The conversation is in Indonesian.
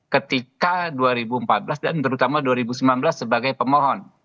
ketika dua ribu empat belas dan terutama dua ribu sembilan belas sebagai pemohon